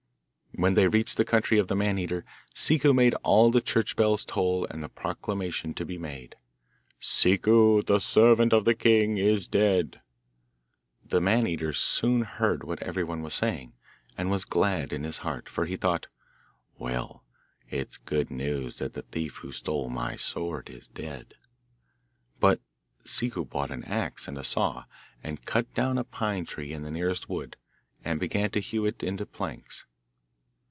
When they reached the country of the Man eater, Ciccu made all the church bells toll and a proclamation to be made. 'Ciccu, the servant of the king, is dead.' The Man eater soon heard what everyone was saying, and was glad in his heart, for he thought, 'Well, it is good news that the thief who stole my sword is dead.' But Ciccu bought an axe and a saw, and cut down a pine tree in the nearest wood, and began to hew it into planks.